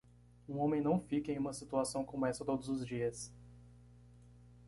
Um homem não fica em uma situação como essa todos os dias.